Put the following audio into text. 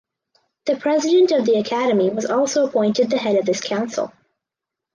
The President of the Academy was also appointed the head of this council.